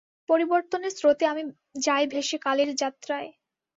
পরিবর্তনের স্রোতে আমি যাই ভেসে কালের যাত্রায়।